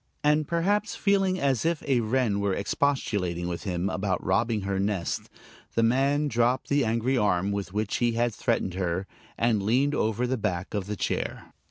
And perhaps feeling as if a wren were expostulating with him about robbing her nest, the man dropped the angry arm with which he had threatened her, and leaned over the back of the chair.